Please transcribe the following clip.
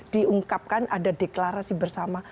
diungkapkan ada deklarasi bersama